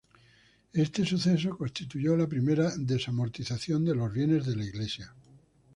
Este suceso constituyó la primera desamortización de los bienes de la Iglesia.